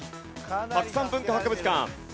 白山文化博物館。